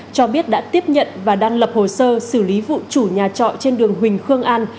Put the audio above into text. cho biết đã tiếp nhận và đang lập hồ sơ xử lý vụ chủ nhà trọ trên đường huỳnh khương an